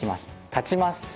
立ちます。